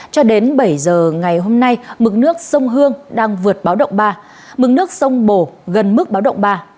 cho đến bảy giờ ngày hôm nay mực nước sông hương đang vượt báo động ba mực nước sông bồ gần mức báo động ba